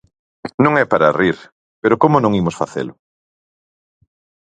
Non é para rir, pero como non imos facelo?